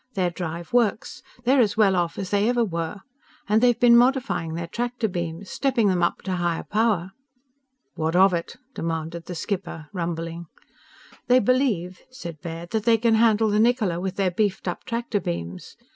Their drive works. They're as well off as they ever were. And they've been modifying their tractor beams stepping them up to higher power." "What of it?" demanded the skipper, rumbling. "They believe," said Baird, "that they can handle the Niccola with their beefed up tractor beams."